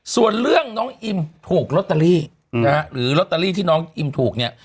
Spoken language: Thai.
ส่วนเรื่องน้องอิมถูกลอตเตอรี่นะฮะหรือลอตเตอรี่ที่น้องอิมถูกเนี่ย